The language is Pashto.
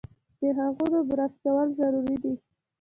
د غاښونو برس کول ضروري دي۔